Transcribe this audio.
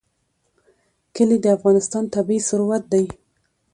کلي د افغانستان طبعي ثروت دی.